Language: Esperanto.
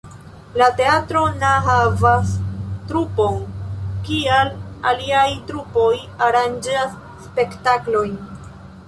La teatro na havas trupon, tial aliaj trupoj aranĝas spektaklojn.